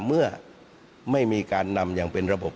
เมื่อไม่มีการนำอย่างเป็นระบบ